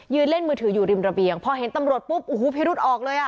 เล่นมือถืออยู่ริมระเบียงพอเห็นตำรวจปุ๊บโอ้โหพิรุษออกเลยอ่ะ